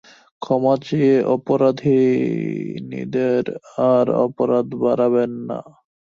ক্ষমা চেয়ে অপরাধিনীদের আর অপরাধ বাড়াবেন না।